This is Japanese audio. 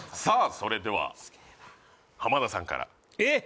それでは浜田さんからえっ？